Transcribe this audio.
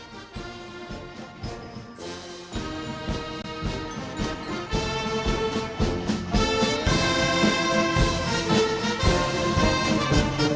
pemulihan hari bayangkara ke tujuh puluh enam di akademi kepelusian semarang jawa tengah